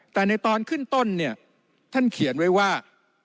แต่ในตอนขึ้นต้นเนี่ยท่านเขียนไว้ว่า